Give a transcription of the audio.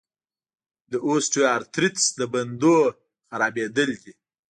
د اوسټیوارتریتس د بندونو خرابېدل دي.